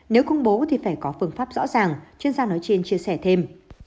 nếu công bố thì phải có phương pháp rõ ràng chuyên gia nói trên chia sẻ thêm